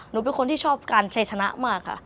หนูเป็นคนที่ชอบการใช้ชนะมากค่ะ